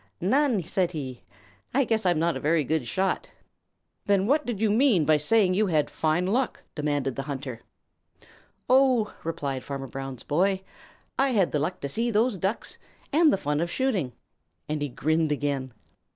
"None," said he. "I guess I'm not a very good shot." "Then what did you mean by saying you had fine luck?" demanded the hunter. "Oh," replied Farmer Brown's boy, "I had the luck to see those Ducks and the fun of shooting," and he grinned again.